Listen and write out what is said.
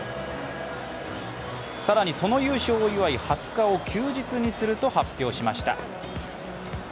更に、その優勝を祝い、２０日を休日にすると発表しました。